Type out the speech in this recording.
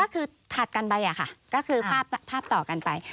ก็คือถัดกันไปค่ะก็คือภาพต่อกันไป